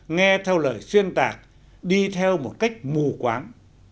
nghe theo lời xuyên tạc đi theo một cách mù quáng